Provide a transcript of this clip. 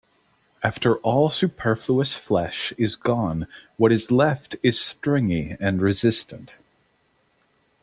After all superfluous flesh is gone what is left is stringy and resistant.